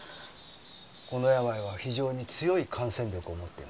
この病は非常に強い感染力を持っています。